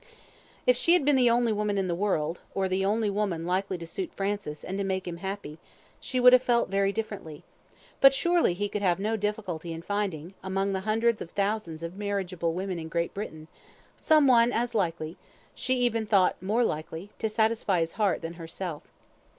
If she had been the only woman in the world, or the only woman likely to suit Francis, and to make him happy, she would have felt very differently; but surely he could have no difficulty in finding, among the hundreds of thousands of marriageable women in Great Britain, some one as likely (she even thought, more likely), to satisfy his heart than herself.